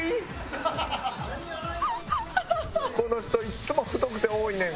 この人いっつも太くて多いねん。